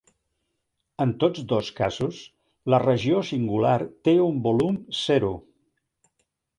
En tots dos casos, la regió singular té un volum zero.